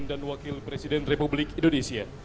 dan wakil presiden republik indonesia